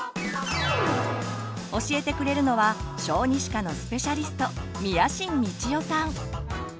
教えてくれるのは小児歯科のスペシャリスト